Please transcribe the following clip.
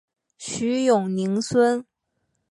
徐永宁孙。